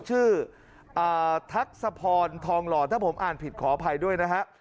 ทักษะพรทองหล่อถ้าผมอ่านผิดขออภัยด้วยนะฮะ